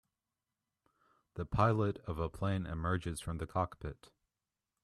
The pilot of a plane emerges from the cockpit.